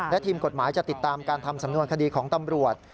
และทีมกฎหมายจะติดตามการทำสำนวนคดีของตำรวจ